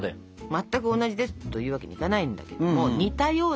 全く同じですというわけにいかないんだけども似たような感じ。